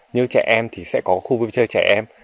như trẻ em thì sẽ có khu vui chơi trẻ em